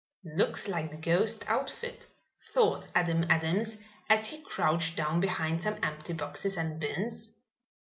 "Looks like the ghost outfit," thought Adam Adams, as he crouched down behind some empty boxes and bins.